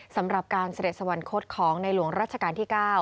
สำหรับการเสด็จสวรรคตของในหลวงรัชกาลที่๙